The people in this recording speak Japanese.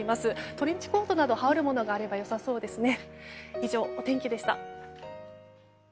トレンチコートなど羽織るものがあれば良さそうですね。